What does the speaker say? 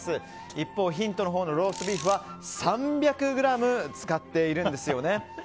一方、ヒントのほうのローストビーフは３００ｇ使っているんですよね。